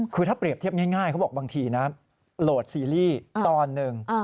คือถ้าเปรียบเทียบง่ายเขาบอกบางทีนะโหลดซีรีส์ตอนหนึ่ง